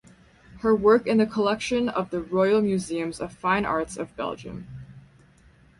Her work in the collection of the Royal Museums of Fine Arts of Belgium.